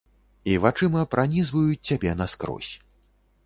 І вачыма пранізваюць цябе наскрозь.